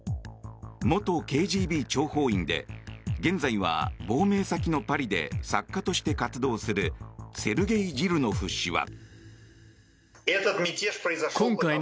元ＫＧＢ諜報員で現在は亡命先のパリで作家として活動するセルゲイ・ジルノフ氏は。